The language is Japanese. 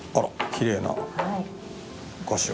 きれいなお菓子が。